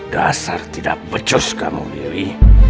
dasar tidak pecus kamu dewi